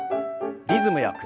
リズムよく。